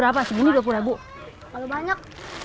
kalau banyak kalau kita banyak